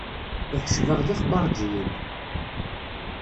Iḥseb-aɣ d ixbaṛǧiyen.